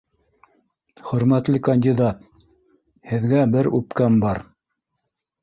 Хөрмәтле кандидат, һеҙгә бер үпкәм бар